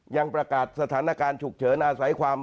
ยังประกาศสถานการณ์ฉุกเฉินอาศัยความ